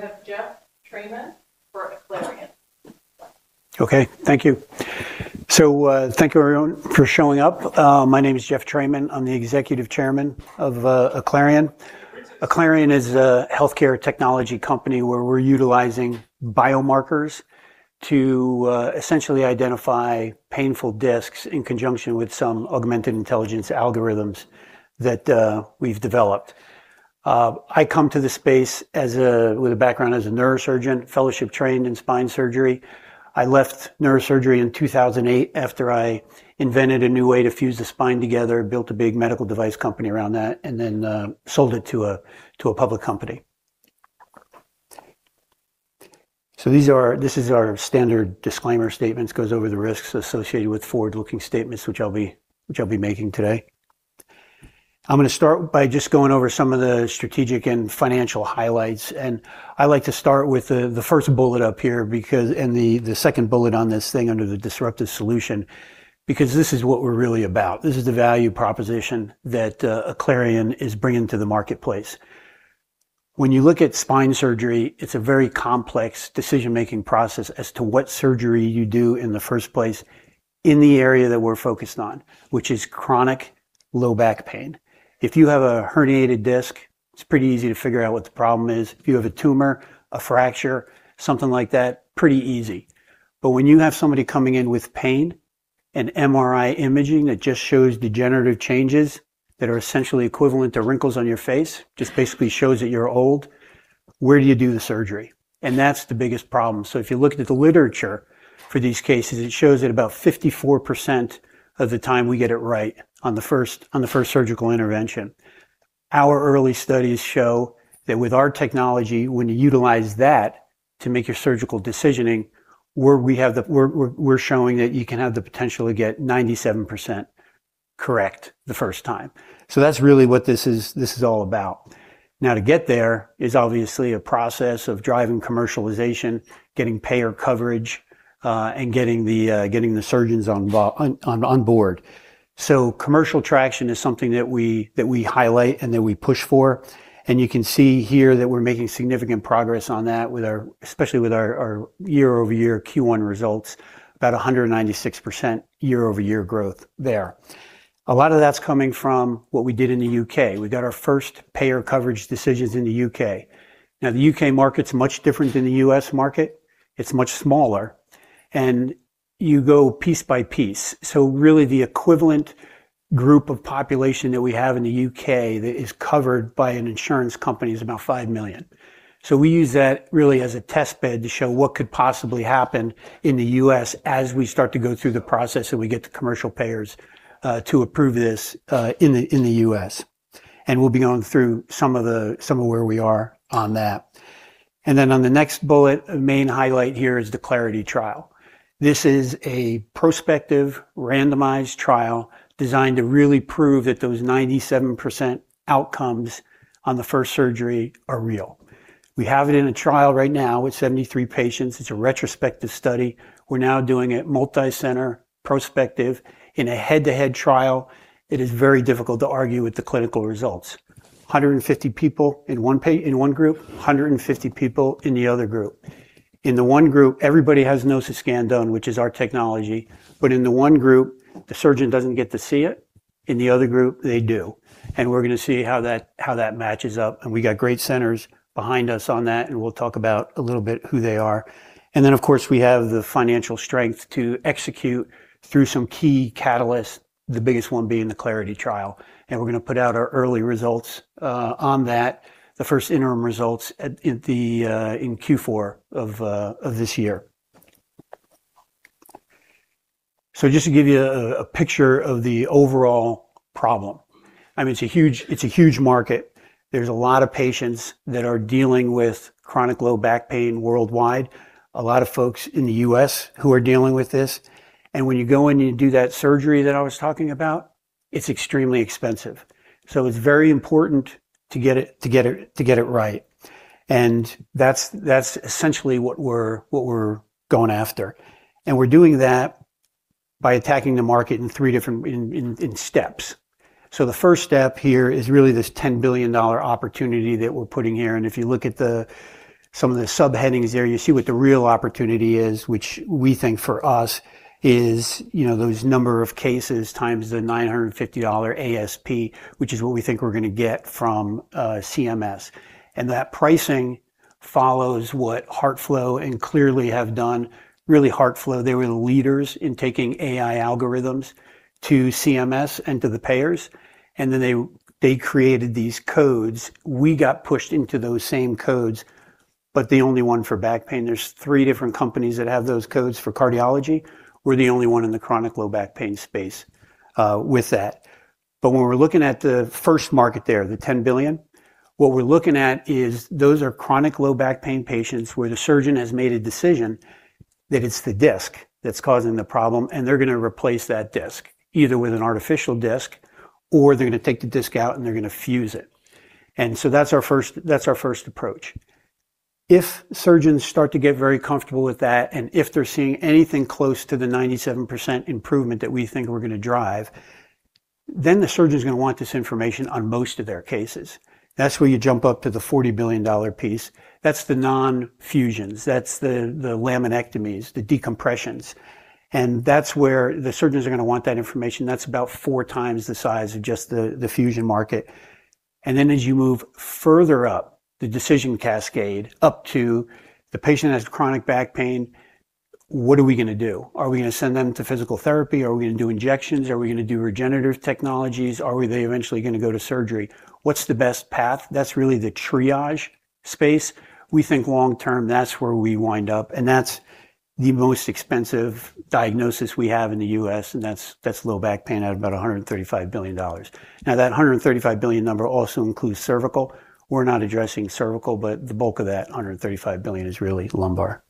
We have Jeff Thramann for Aclarion. Thank you. Thank you everyone for showing up. My name is Jeff Thramann. I'm the Executive Chairman of Aclarion. Aclarion is a healthcare technology company where we're utilizing biomarkers to essentially identify painful discs in conjunction with some augmented intelligence algorithms that we've developed. I come to this space with a background as a neurosurgeon, fellowship-trained in spine surgery. I left neurosurgery in 2008 after I invented a new way to fuse the spine together, built a big medical device company around that, and then sold it to a public company. This is our standard disclaimer statements, goes over the risks associated with forward-looking statements, which I'll be making today. I'm going to start by just going over some of the strategic and financial highlights. I like to start with the first bullet up here, and the second bullet on this thing under the disruptive solution, because this is what we're really about. This is the value proposition that Aclarion is bringing to the marketplace. When you look at spine surgery, it's a very complex decision-making process as to what surgery you do in the first place in the area that we're focused on, which is chronic low back pain. If you have a herniated disc, it's pretty easy to figure out what the problem is. If you have a tumor, a fracture, something like that, pretty easy. When you have somebody coming in with pain and MRI imaging that just shows degenerative changes that are essentially equivalent to wrinkles on your face, just basically shows that you're old, where do you do the surgery? That's the biggest problem. If you look at the literature for these cases, it shows that about 54% of the time, we get it right on the first surgical intervention. Our early studies show that with our technology, when you utilize that to make your surgical decisioning, we're showing that you can have the potential to get 97% correct the first time. That's really what this is all about. Now, to get there is obviously a process of driving commercialization, getting payer coverage, and getting the surgeons on board. Commercial traction is something that we highlight and that we push for, and you can see here that we're making significant progress on that, especially with our year-over-year Q1 results, about 196% year-over-year growth there. A lot of that's coming from what we did in the U.K. We got our first payer coverage decisions in the U.K. The U.K. market's much different than the U.S. market. It's much smaller, and you go piece by piece. Really the equivalent group of population that we have in the U.K. that is covered by an insurance company is about five million. We use that really as a test bed to show what could possibly happen in the U.S. as we start to go through the process, we get the commercial payers to approve this in the U.S., we'll be going through some of where we are on that. On the next bullet, a main highlight here is the CLARITY trial. This is a prospective randomized trial designed to really prove that those 97% outcomes on the first surgery are real. We have it in a trial right now with 73 patients. It's a retrospective study. We're now doing it multi-center prospective in a head-to-head trial. It is very difficult to argue with the clinical results. 150 people in one group, 150 people in the other group. In the one group, everybody has a Nociscan done, which is our technology. In the one group, the surgeon doesn't get to see it. In the other group, they do. We're going to see how that matches up, we've got great centers behind us on that, we'll talk about a little bit who they are. Of course, we have the financial strength to execute through some key catalysts, the biggest one being the CLARITY trial, we're going to put out our early results on that. The first interim results in Q4 of this year. Just to give you a picture of the overall problem, it's a huge market. There's a lot of patients that are dealing with chronic low back pain worldwide. A lot of folks in the U.S. who are dealing with this, when you go in and you do that surgery that I was talking about, it's extremely expensive. It's very important to get it right, that's essentially what we're going after, we're doing that by attacking the market in steps. The first step here is really this $10 billion opportunity that we're putting here, if you look at some of the subheadings there, you see what the real opportunity is, which we think for us is those number of cases times the $950 ASP, which is what we think we're going to get from CMS, that pricing follows what HeartFlow and Cleerly have done. HeartFlow, they were the leaders in taking AI algorithms to CMS and to the payers, they created these codes. We got pushed into those same codes, the only one for back pain. There's three different companies that have those codes for cardiology. We're the only one in the chronic low back pain space with that. When we're looking at the first market there, the $10 billion, what we're looking at is those are chronic low back pain patients where the surgeon has made a decision that it's the disc that's causing the problem, and they're going to replace that disc either with an artificial disc, or they're going to take the disc out and they're going to fuse it, and so that's our first approach. If surgeons start to get very comfortable with that, if they're seeing anything close to the 97% improvement that we think we're going to drive, the surgeon's going to want this information on most of their cases. That's where you jump up to the $40 billion piece. That's the non-fusions, that's the laminectomies, the decompressions. That's where the surgeons are going to want that information. That's about four times the size of just the fusion market. As you move further up the decision cascade, up to the patient has chronic back pain, what are we going to do? Are we going to send them to physical therapy? Are we going to do injections? Are we going to do regenerative technologies? Are they eventually going to go to surgery? What's the best path? That's really the triage space. We think long-term, that's where we wind up, and that's the most expensive diagnosis we have in the U.S., and that's low back pain at about $135 billion. That $135 billion number also includes cervical. We're not addressing cervical, but the bulk of that $135 billion is really lumbar.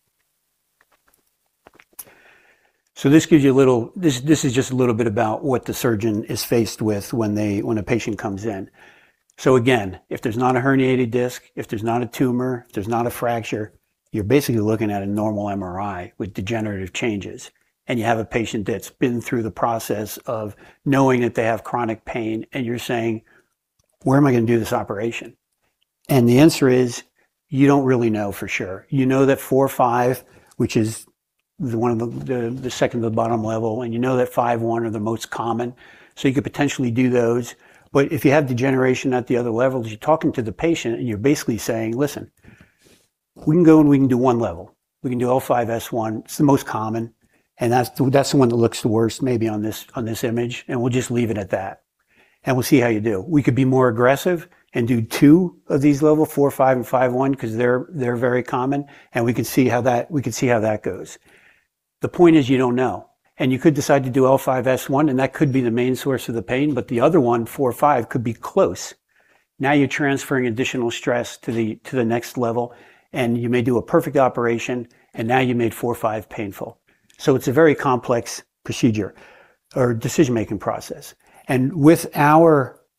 This is just a little bit about what the surgeon is faced with when a patient comes in. Again, if there's not a herniated disc, if there's not a tumor, if there's not a fracture, you're basically looking at a normal MRI with degenerative changes. You have a patient that's been through the process of knowing that they have chronic pain, and you're saying, "Where am I going to do this operation?" The answer is, you don't really know for sure. You know that L4, 5, which is the second to the bottom level, and you know that L5, are one of the most common, so you could potentially do those. If you have degeneration at the other levels, you're talking to the patient, and you're basically saying, "Listen. We can go and we can do one level. We can do L5, S1. It's the most common, and that's the one that looks the worst, maybe, on this image. We'll just leave it at that, and we'll see how you do. We could be more aggressive and do two of these levels, L4, 5 and L5, S1, because they're very common, and we can see how that goes." The point is, you don't know. You could decide to do L5, S1, and that could be the main source of the pain, but the other one, L4, 5, could be close. Now you're transferring additional stress to the next level, and you may do a perfect operation, and now you made L4, 5 painful. It's a very complex procedure, or decision-making process.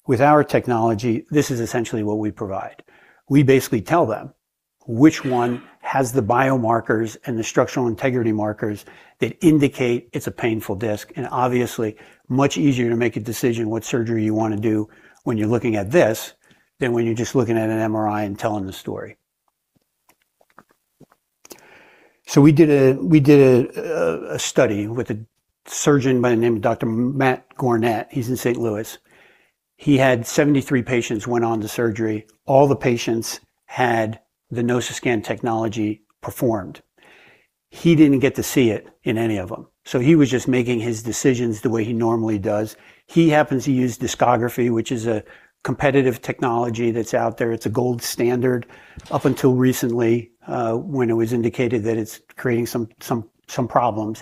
With our technology, this is essentially what we provide. We basically tell them which one has the biomarkers and the structural integrity markers that indicate it's a painful disc. Obviously, much easier to make a decision what surgery you want to do when you're looking at this than when you're just looking at an MRI and telling the story. We did a study with a surgeon by the name of Dr. Matt Gornet. He is in St. Louis. He had 73 patients went on to surgery. All the patients had the Nociscan technology performed. He didn't get to see it in any of them, so he was just making his decisions the way he normally does. He happens to use discography, which is a competitive technology that's out there. It's a gold standard up until recently, when it was indicated that it's creating some problems.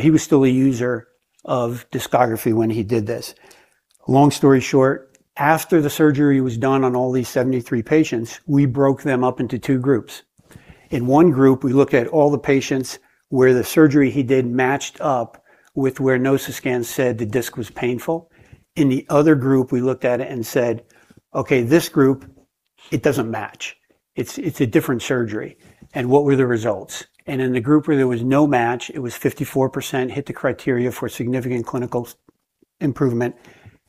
He was still a user of discography when he did this. Long story short, after the surgery was done on all these 73 patients, we broke them up into two groups. In one group, we looked at all the patients where the surgery he did matched up with where Nociscan said the disc was painful. In the other group, we looked at it and said, "Okay, this group, it doesn't match. It's a different surgery." What were the results? In the group where there was no match, it was 54% hit the criteria for significant clinical improvement,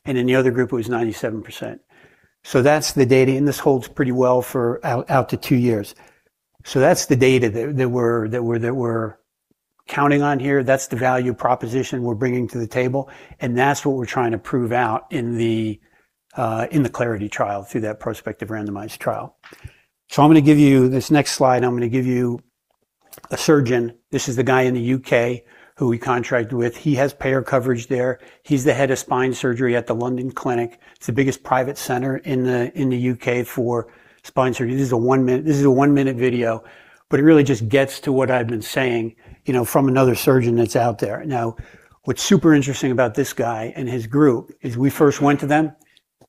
and in the other group, it was 97%. That's the data, and this holds pretty well for out to two years. That's the data that we're counting on here. That's the value proposition we're bringing to the table, and that's what we're trying to prove out in the CLARITY trial through that prospective randomized trial. I'm going to give you this next slide. I'm going to give you a surgeon. This is the guy in the U.K. who we contract with. He has payer coverage there. He's the head of spine surgery at The London Clinic. It's the biggest private center in the U.K. for spine surgery. This is a one-minute video, but it really just gets to what I've been saying from another surgeon that's out there. What's super interesting about this guy and his group is we first went to them.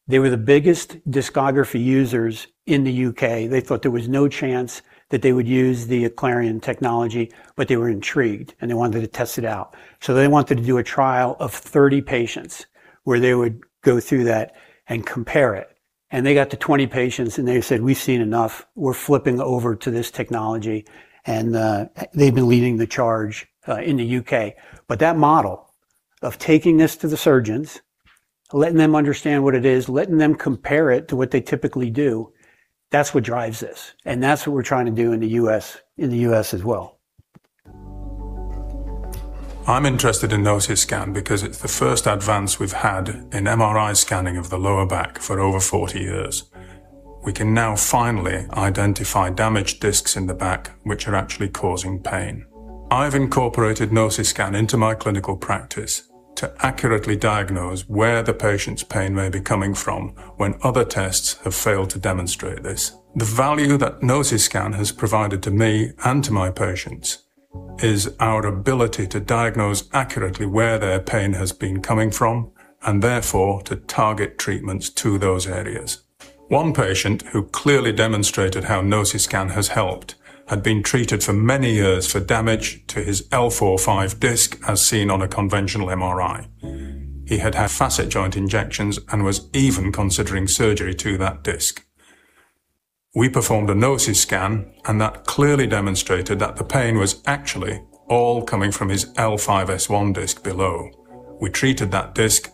They were the biggest discography users in the U.K. They thought there was no chance that they would use the Aclarion technology, but they were intrigued, and they wanted to test it out. They wanted to do a trial of 30 patients where they would go through that and compare it. They got to 20 patients, and they said, "We've seen enough. We're flipping over to this technology." They've been leading the charge in the U.K. That model of taking this to the surgeons, letting them understand what it is, letting them compare it to what they typically do, that's what drives this, and that's what we're trying to do in the U.S. as well. I'm interested in Nociscan because it's the first advance we've had in MRI scanning of the lower back for over 40 years. We can now finally identify damaged discs in the back which are actually causing pain. I've incorporated Nociscan into my clinical practice to accurately diagnose where the patient's pain may be coming from when other tests have failed to demonstrate this. The value that Nociscan has provided to me and to my patients is our ability to diagnose accurately where their pain has been coming from, and therefore, to target treatments to those areas. One patient who clearly demonstrated how Nociscan has helped had been treated for many years for damage to his L4, 5 disc, as seen on a conventional MRI. He had had facet joint injections and was even considering surgery to that disc. We performed a Nociscan, and that clearly demonstrated that the pain was actually all coming from his L5-S1 disc below. We treated that disc,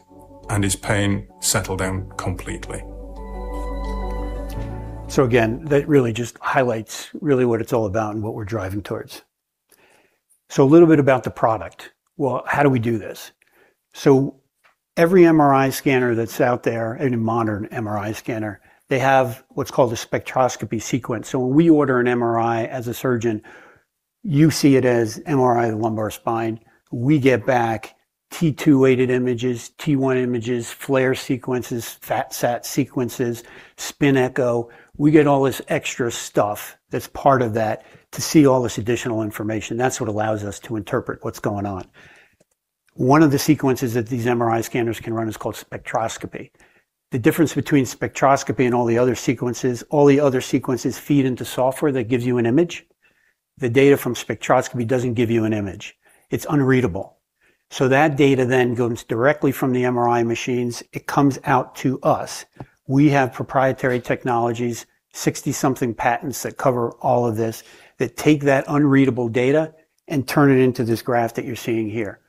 and his pain settled down completely. Again, that really just highlights really what it's all about and what we're driving towards. A little bit about the product. Well, how do we do this? Every MRI scanner that's out there, any modern MRI scanner, they have what's called a spectroscopy sequence. When we order an MRI as a surgeon, you see it as MRI of the lumbar spine. We get back T2-weighted images, T1 images, FLAIR sequences, fat sat sequences, spin echo. We get all this extra stuff that's part of that to see all this additional information. That's what allows us to interpret what's going on. One of the sequences that these MRI scanners can run is called spectroscopy. The difference between spectroscopy and all the other sequences, all the other sequences feed into software that gives you an image. The data from spectroscopy doesn't give you an image. It's unreadable. That data then goes directly from the MRI machines. It comes out to us. We have proprietary technologies, 60-something patents that cover all of this, that take that unreadable data and turn it into this graph that you're seeing here.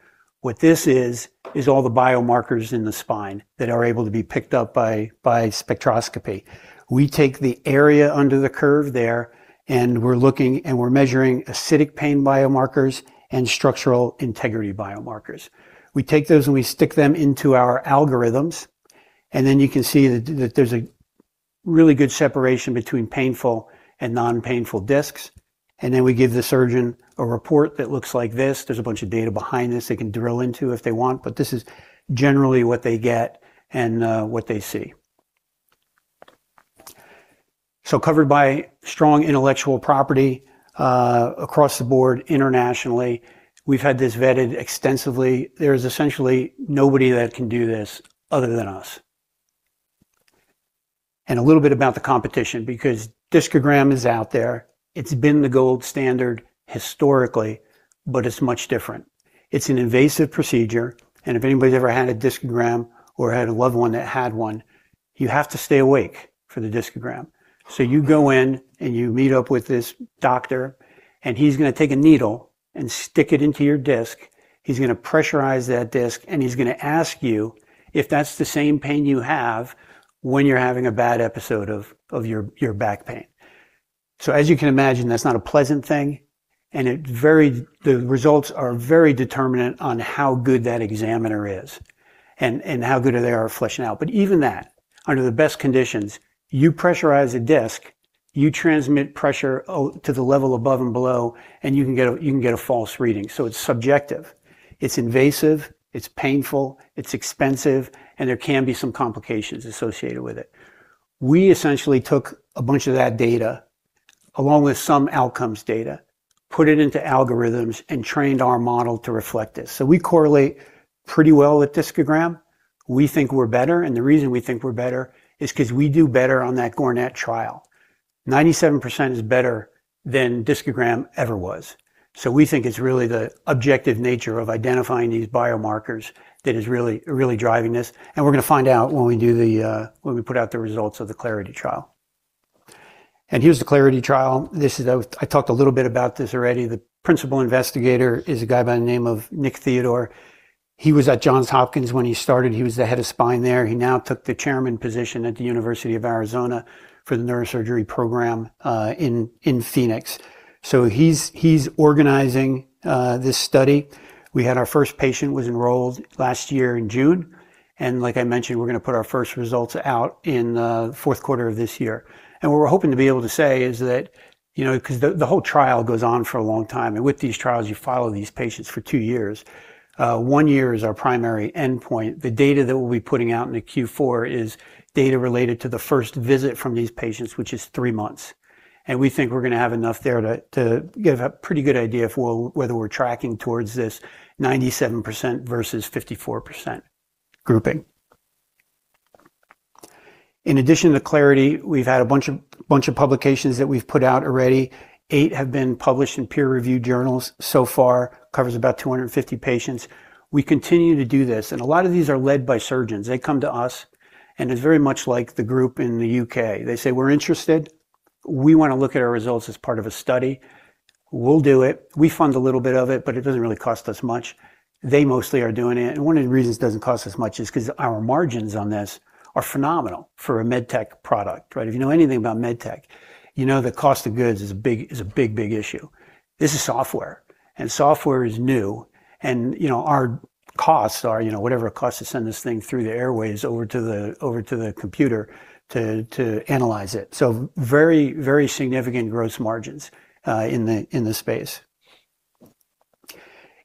What this is all the biomarkers in the spine that are able to be picked up by spectroscopy. We take the area under the curve there, and we're looking and we're measuring acidic pain biomarkers and structural integrity biomarkers. We take those, We stick them into our algorithms, Then you can see that there's a really good separation between painful and non-painful discs. Then we give the surgeon a report that looks like this. There's a bunch of data behind this they can drill into if they want, but this is generally what they get and what they see. Covered by strong intellectual property across the board internationally. We've had this vetted extensively. There is essentially nobody that can do this other than us. A little bit about the competition, because discogram is out there. It's been the gold standard historically, but it's much different. It's an invasive procedure, and if anybody's ever had a discogram or had a loved one that had one, you have to stay awake for the discogram. You go in, and you meet up with this doctor, and he's going to take a needle and stick it into your disc. He's going to pressurize that disc, and he's going to ask you if that's the same pain you have when you're having a bad episode of your back pain. As you can imagine, that's not a pleasant thing, and the results are very determinant on how good that examiner is and how good they are at fleshing out. Even that, under the best conditions, you pressurize a disc, you transmit pressure to the level above and below, and you can get a false reading. It's subjective. It's invasive, it's painful, it's expensive, and there can be some complications associated with it. We essentially took a bunch of that data, along with some outcomes data, put it into algorithms, and trained our model to reflect this. We correlate pretty well with discogram. We think we're better, and the reason we think we're better is because we do better on that Gornet trial. 97% is better than discogram ever was. We think it's really the objective nature of identifying these biomarkers that is really driving this, and we're going to find out when we put out the results of the CLARITY trial. Here's the CLARITY trial. I talked a little bit about this already. The principal investigator is a guy by the name of Nick Theodore. He was at Johns Hopkins when he started. He was the head of spine there. He now took the chairman position at the University of Arizona for the neurosurgery program in Phoenix. He's organizing this study. We had our first patient was enrolled last year in June, and like I mentioned, we're going to put our first results out in the fourth quarter of this year. What we're hoping to be able to say is that, because the whole trial goes on for a long time, and with these trials, you follow these patients for two years. One year is our primary endpoint. The data that we'll be putting out into Q4 is data related to the first visit from these patients, which is three months. We think we're going to have enough there to give a pretty good idea of whether we're tracking towards this 97% versus 54% grouping. In addition to CLARITY, we've had a bunch of publications that we've put out already. Eight have been published in peer-reviewed journals so far. Covers about 250 patients. We continue to do this, and a lot of these are led by surgeons. They come to us, and it's very much like the group in the U.K. They say, "We're interested. We want to look at our results as part of a study. We'll do it. We fund a little bit of it, but it doesn't really cost us much. They mostly are doing it. One of the reasons it doesn't cost us much is because our margins on this are phenomenal for a med tech product, right? If you know anything about med tech, you know that cost of goods is a big issue. This is software is new, and our costs are whatever it costs to send this thing through the airwaves over to the computer to analyze it. Very significant gross margins in the space.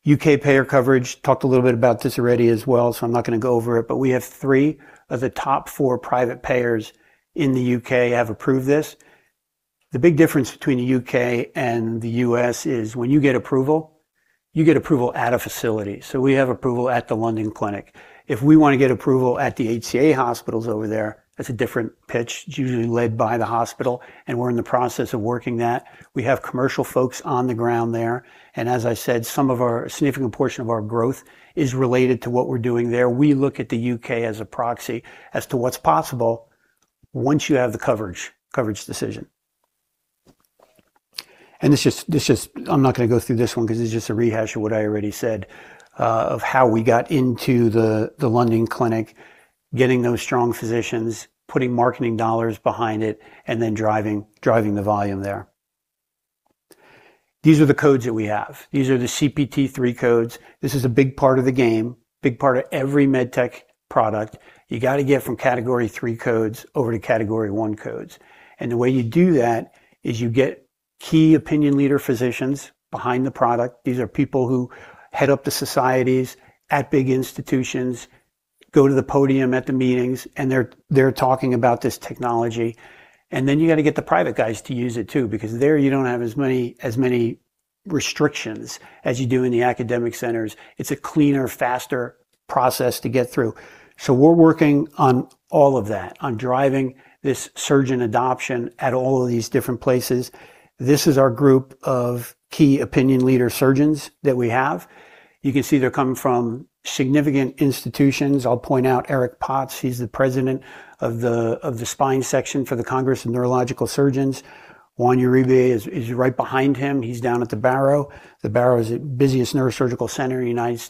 U.K. payer coverage. Talked a little bit about this already as well, I'm not going to go over it, but we have three of the top four private payers in the U.K. have approved this. The big difference between the U.K. and the U.S. is when you get approval, you get approval at a facility. We have approval at The London Clinic. If we want to get approval at the HCA hospitals over there, that's a different pitch. It's usually led by the hospital, we're in the process of working that. We have commercial folks on the ground there, as I said, a significant portion of our growth is related to what we're doing there. We look at the U.K. as a proxy as to what's possible once you have the coverage decision. I'm not going to go through this one because it's just a rehash of what I already said of how we got into The London Clinic, getting those strong physicians, putting marketing dollars behind it, then driving the volume there. These are the codes that we have. These are the CPT III codes. This is a big part of the game, big part of every med tech product. You got to get from category 3 codes over to category 1 codes. The way you do that is you get key opinion leader physicians behind the product. These are people who head up the societies at big institutions, go to the podium at the meetings, they're talking about this technology. You've got to get the private guys to use it too, because there you don't have as many restrictions as you do in the academic centers. It's a cleaner, faster process to get through. We're working on all of that, on driving this surgeon adoption at all of these different places. This is our group of key opinion leader surgeons that we have. You can see they're coming from significant institutions. I'll point out Eric Potts, he's the President of the Spine Section for the Congress of Neurological Surgeons. Juan Uribe is right behind him. He's down at the Barrow. The Barrow is the busiest neurosurgical center in the U.S.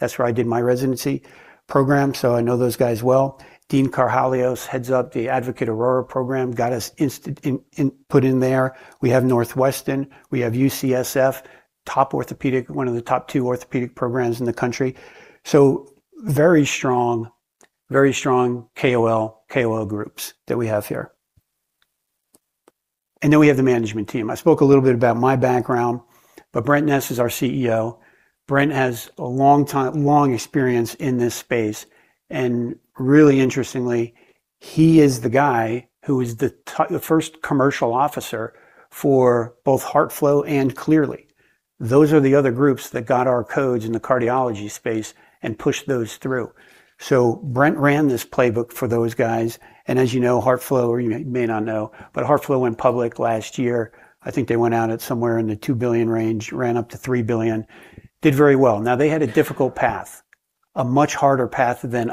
That's where I did my residency program, I know those guys well. Dean Chou heads up the Advocate Aurora program, got us put in there. We have Northwestern, we have UCSF, one of the top two orthopedic programs in the country. Very strong KOL groups that we have here. We have the management team. I spoke a little bit about my background, Brent Ness is our CEO. Brent has long experience in this space, really interestingly, he is the guy who is the first commercial officer for both HeartFlow and Cleerly. Those are the other groups that got our codes in the cardiology space and pushed those through. Brent ran this playbook for those guys, and as you know, HeartFlow, or you may not know, HeartFlow went public last year. I think they went out at somewhere in the $2 billion range, ran up to $3 billion. Did very well. They had a difficult path, a much harder path than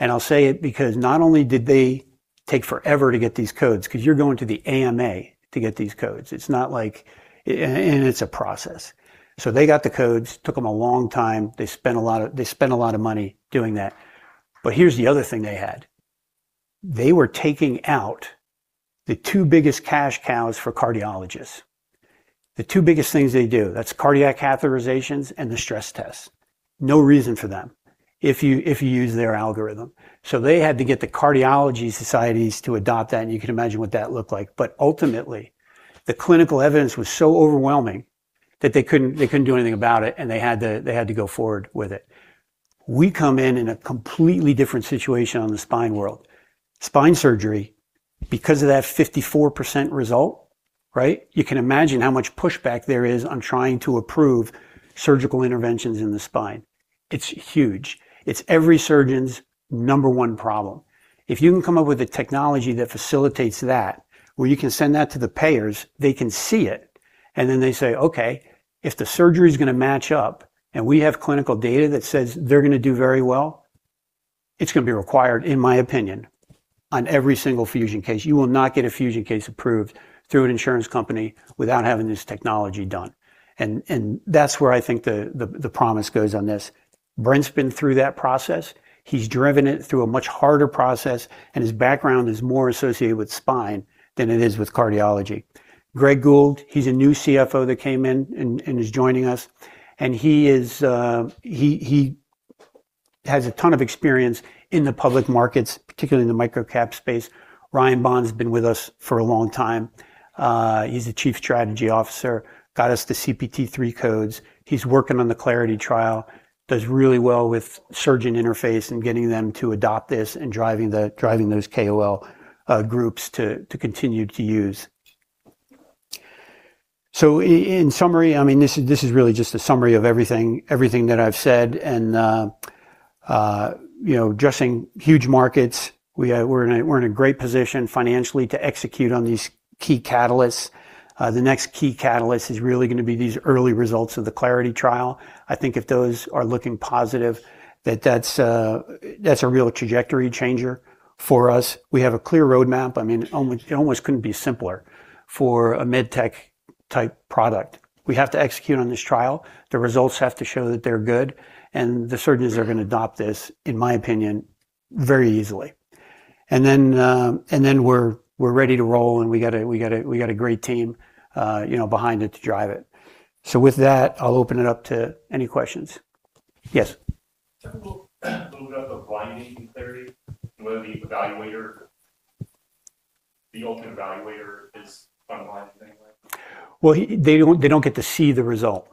us. I'll say it because not only did they take forever to get these codes, because you're going to the AMA to get these codes. It's a process. They got the codes, took them a long time. They spent a lot of money doing that. Here's the other thing they had. They were taking out the two biggest cash cows for cardiologists. The two biggest things they do, that's cardiac catheterizations and the stress tests. No reason for them if you use their algorithm. They had to get the cardiology societies to adopt that, and you can imagine what that looked like. Ultimately, the clinical evidence was so overwhelming that they couldn't do anything about it, and they had to go forward with it. We come in in a completely different situation on the spine world. Spine surgery, because of that 54% result, you can imagine how much pushback there is on trying to approve surgical interventions in the spine. It's huge. It's every surgeon's number one problem. If you can come up with a technology that facilitates that, where you can send that to the payers, they can see it, and then they say, "Okay, if the surgery's going to match up and we have clinical data that says they're going to do very well," it's going to be required, in my opinion, on every single fusion case. You will not get a fusion case approved through an insurance company without having this technology done. That's where I think the promise goes on this. Brent's been through that process. He's driven it through a much harder process, and his background is more associated with spine than it is with cardiology. Greg Gould, he's a new CFO that came in and is joining us. He has a ton of experience in the public markets, particularly in the microcap space. Ryan Bond's been with us for a long time. He's the Chief Strategy Officer, got us the CPT III codes. He's working on the CLARITY trial, does really well with surgeon interface and getting them to adopt this and driving those KOL groups to continue to use. In summary, this is really just a summary of everything that I've said and addressing huge markets. We're in a great position financially to execute on these key catalysts. The next key catalyst is really going to be these early results of the CLARITY trial. I think if those are looking positive, that's a real trajectory changer for us. We have a clear roadmap. It almost couldn't be simpler for a med tech type product. We have to execute on this trial. The results have to show that they're good, the surgeons are going to adopt this, in my opinion, very easily. Then we're ready to roll and we got a great team behind it to drive it. With that, I'll open it up to any questions. Yes. Technical load up of blinding in CLARITY, whether the ultimate evaluator is unblinded in any way? Well, they don't get to see the result,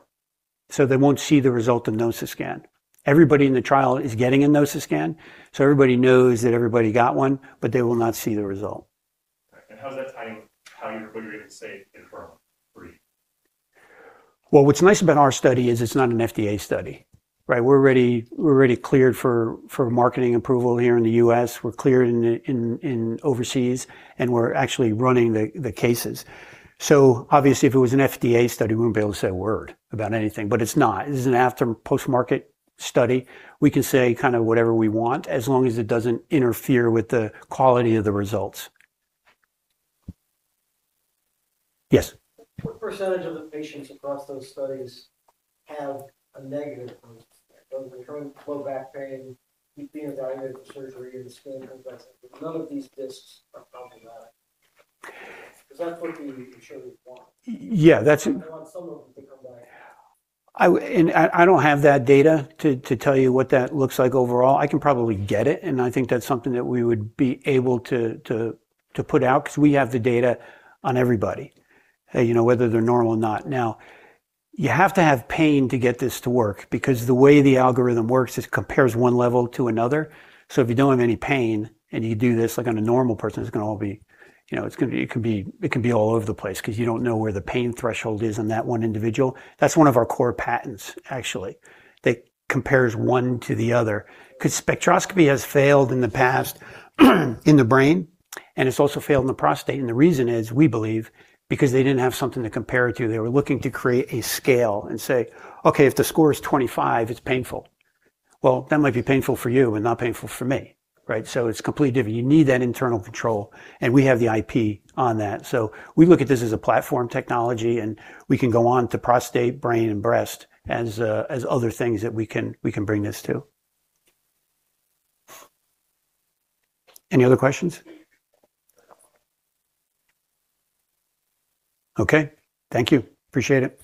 so they won't see the result of the Nociscan. Everybody in the trial is getting a Nociscan, so everybody knows that everybody got one, but they will not see the result. How is that tying with what you're going to say in three? Well, what's nice about our study is it's not an FDA study, right? We're already cleared for marketing approval here in the U.S. We're cleared overseas and we're actually running the cases. Obviously if it was an FDA study, we wouldn't be able to say a word about anything. It's not. This is a post-market study. We can say whatever we want as long as it doesn't interfere with the quality of the results. Yes. What percentage of the patients across those studies have a negative Nociscan? Whether they're coming in with low back pain, they've been evaluated for surgery, and the scan comes back saying that none of these discs are problematic. That's what the insurers want. Yeah. That's- I don't have that data to tell you what that looks like overall. I can probably get it, and I think that's something that we would be able to put out because we have the data on everybody, whether they're normal or not. Now, you have to have pain to get this to work because the way the algorithm works is it compares one level to another. If you don't have any pain and you do this on a normal person, it can be all over the place because you don't know where the pain threshold is in that one individual. That's one of our core patents actually, that compares one to the other. Spectroscopy has failed in the past in the brain, and it's also failed in the prostate, and the reason is, we believe, because they didn't have something to compare it to. They were looking to create a scale and say, "Okay, if the score is 25, it's painful." Well, that might be painful for you and not painful for me, right? It's completely different. You need that internal control, and we have the IP on that. We look at this as a platform technology, and we can go on to prostate, brain, and breast as other things that we can bring this to. Any other questions? Okay. Thank you. Appreciate it.